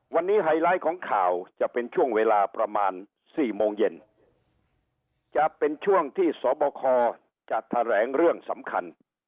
วันนี้ไฮไลท์ของข่าวจะเป็นช่วงเวลาประมาณ๔โมงเย็นจะเป็นช่วงที่สบคจะแถลงเรื่องสำคัญ